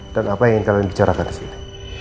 dan apa yang kalian bicarakan disini